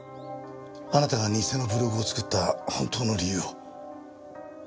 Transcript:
あなたが偽のブログを作った本当の理由を。